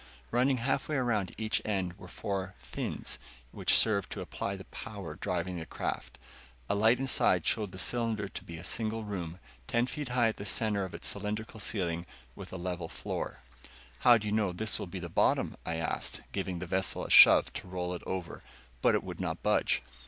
Running half way out each end were four "fins" which served to apply the power driving the craft. A light inside showed the interior to be a single room, ten feet high at the center of its cylindrical ceiling, with a level floor. "How do you know this will be the bottom?" I asked, giving the vessel a shove to roll it over. But it would not budge.